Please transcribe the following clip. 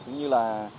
cung cấp điện